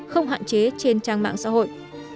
không hạn chế trên trang mạng xã hội